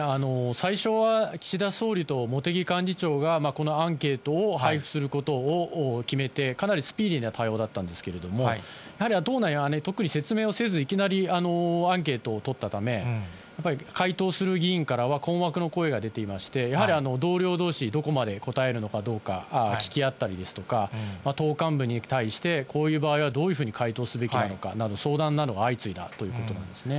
最初は、岸田総理と茂木幹事長がこのアンケートを配布することを決めて、かなりスピーディーな対応だったんですけれども、やはり党内は、特に説明をせず、いきなりアンケートを取ったため、やっぱり回答する議員からは困惑の声が出ていまして、やはり同僚どうし、どこまで答えるのかどうか、聞き合ったりですとか、党幹部に対して、こういう場合はどういうふうに回答すべきかなど、相談などが相次いだということなんですね。